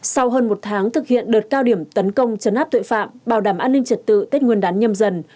sau hơn một tháng thực hiện đợt cao điểm tấn công chấn áp tội phạm bảo đảm an ninh trật tự tết nguyên đán nhâm dần